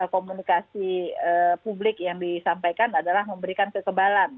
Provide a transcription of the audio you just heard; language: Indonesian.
komunikasi publik yang disampaikan adalah memberikan kekebalan